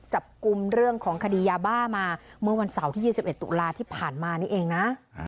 จับกลุ่มเรื่องของคดียาบ้ามาเมื่อวันเสาร์ที่๒๑ตุลาที่ผ่านมานี่เองนะ